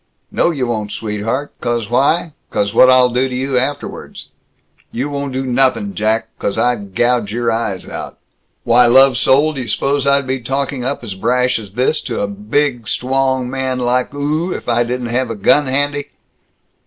"No, you won't, sweetheart, 'cause why? 'Cause what'll I do to you afterwards?" "You won't do nothin', Jack, 'cause I'd gouge your eyes out." "Why, lovesoul, d' you suppose I'd be talking up as brash as this to a bid, stwong man like oo if I didn't have a gun handy?"